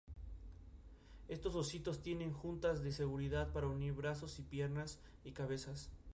En fecha posterior se inventó en la misma zona el torno de pie.